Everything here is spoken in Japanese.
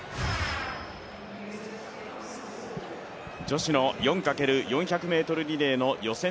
女子の４×４００ｍリレーの予選